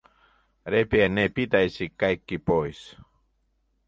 Repiä ne pitäisi kaikki pois.